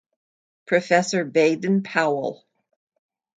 Professor Baden Powell.